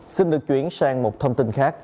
xin được chuyển sang một thông tin khác